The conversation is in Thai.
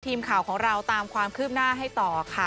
ทีมข่าวของเราตามความคืบหน้าให้ต่อค่ะ